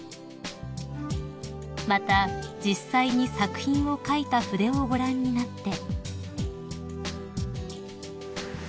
［また実際に作品を書いた筆をご覧になって］